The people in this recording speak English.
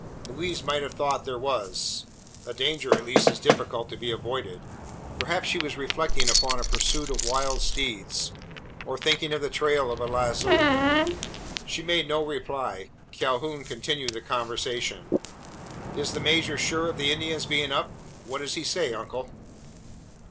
Louise might have thought there was a danger at least as difficult to be avoided. Perhaps she was reflecting upon a pursuit of wild steeds or thinking of the trail of a lazo. She made no reply. Calhoun continued the conversation. "Is the major sure of the Indians being up? What does he say, uncle?"